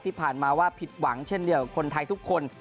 ที่ผ่านมาว่าผิดหวังเช่นเดียวกับคนไทยทุกคน